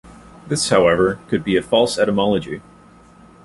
This, however, could be a false etymology.